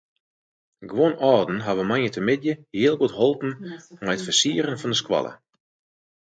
Guon âlden hawwe moandeitemiddei heel goed holpen mei it fersieren fan de skoalle.